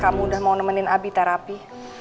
kamu udah mau nemenin abi terapi